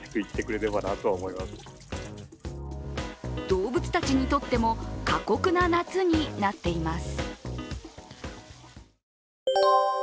動物たちにとっても過酷な夏になっています。